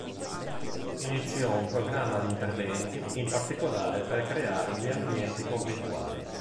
Iniziò un programma di interventi, in particolare per creare gli ambienti conventuali.